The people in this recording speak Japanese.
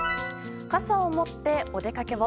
傘を持って、お出かけを。